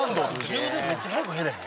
充電めっちゃ早く減らへん？